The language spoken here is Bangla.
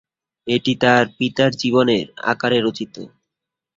এটি তাঁর পিতার জীবনীর আকারে রচিত।